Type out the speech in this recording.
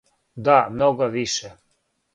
Да, много више.